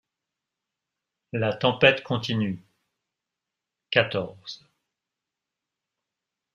La tempête continue. —...— quatorze.